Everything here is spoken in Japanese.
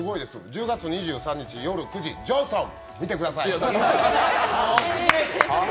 １０月２３日夜９時、「ジョンソン」見てください。